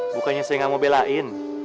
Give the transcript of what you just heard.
bukannya saya nggak mau belain